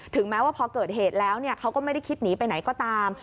แม้ว่าพอเกิดเหตุแล้วเขาก็ไม่ได้คิดหนีไปไหนก็ตาม